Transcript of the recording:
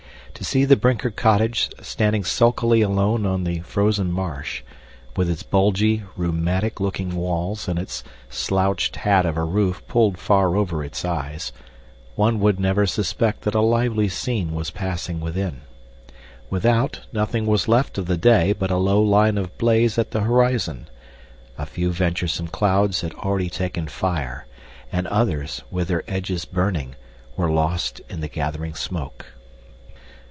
To see the Brinker cottage standing sulkily alone on the frozen marsh, with its bulgy, rheumatic looking walls and its slouched hat of a roof pulled far over its eyes, one would never suspect that a lively scene was passing within. Without, nothing was left of the day but a low line of blaze at the horizon. A few venturesome clouds had already taken fire, and others, with their edges burning, were lost in the gathering smoke.